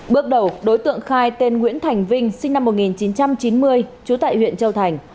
bước đầu đối tượng khai tên nguyễn thành vinh sinh năm một nghìn chín trăm chín mươi trú tại huyện châu thành